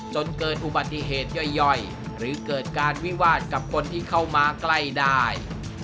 จนเกิดอุบัติเหตุย่อยหรือเกิดการวิวาสกับคนที่เข้ามาใกล้ได้